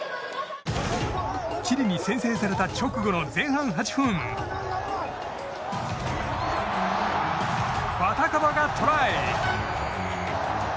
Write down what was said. チリに先制された直後の前半８分ファカタヴァがトライ！